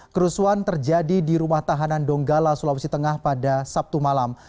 kerusuhan terjadi di rumah tahanan donggala sulawesi tengah pada sabtu malam